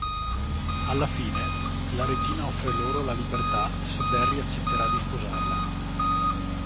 Alla fine, la regina offre loro la libertà se Barry accetterà di sposarla.